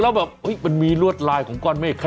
แล้วแบบมันมีรวดลายของก้อนเมฆ